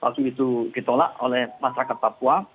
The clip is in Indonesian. palsu itu ditolak oleh masyarakat papua